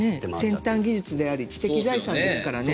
先端技術であり知的財産ですからね。